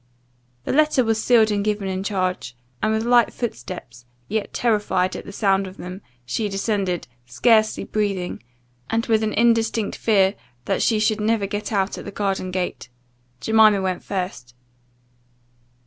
The letter was sealed and given in charge; and with light footsteps, yet terrified at the sound of them, she descended, scarcely breathing, and with an indistinct fear that she should never get out at the garden gate. Jemima went first.